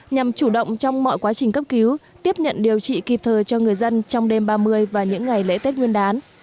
nhằm chủ động trong mọi quá trình cấp cứu tiếp nhận điều trị kịp thời cho người dân trong đêm ba mươi và những ngày lễ tết nguyên đán